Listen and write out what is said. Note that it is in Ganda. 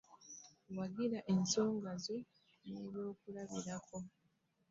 Wagira ensonga zo n’ebyokulabirako: